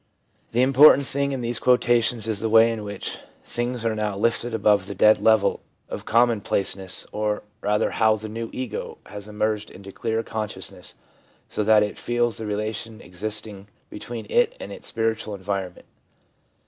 The important thing in these quotations is the way in which things are now lifted above the dead level of commonplaceness, or, rather, how the new ' ego ' has emerged into clearer consciousness, so that it feels the relation existing between it and its spiritual environ ment.